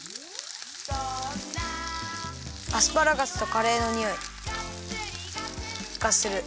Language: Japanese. アスパラガスとカレーのにおいがする。